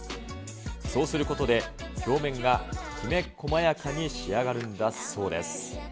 そうすることで、表面がきめ細やかに仕上がるんだそうです。